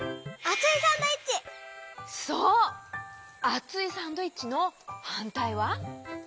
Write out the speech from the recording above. あついサンドイッチのはんたいは？